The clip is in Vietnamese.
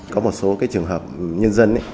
có một số trường hợp nhân dân